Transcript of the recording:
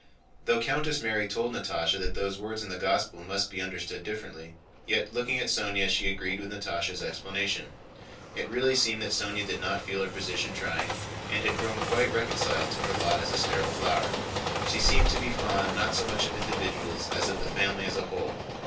Though Countess Mary told Natásha that those words in the Gospel must be understood differently, yet looking at Sónya she agreed with Natásha's explanation. It really seemed that Sónya did not feel her position trying, and had grown quite reconciled to her lot as a sterile flower. She seemed to be fond not so much of individuals as of the family as a whole.